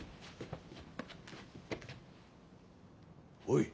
おい！